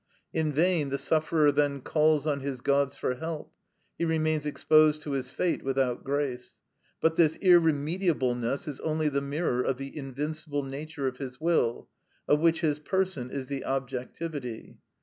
In vain the sufferer then calls on his gods for help; he remains exposed to his fate without grace. But this irremediableness is only the mirror of the invincible nature of his will, of which his person is the objectivity.